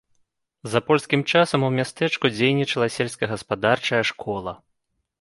За польскім часам у мястэчку дзейнічала сельскагаспадарчая школа.